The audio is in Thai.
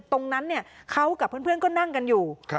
ตรงนั้นเขากับเพื่อนก็นั่งกันอยู่